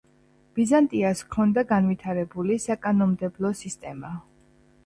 ბიზანტიას ჰქონდა განვითარებული საკანონმდებლო სისტემა.